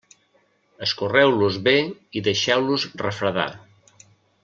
Escorreu-los bé i deixeu-los refredar.